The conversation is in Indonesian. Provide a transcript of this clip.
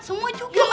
semua juga ma